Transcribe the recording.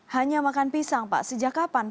hanya makan pisang pak sejak kapan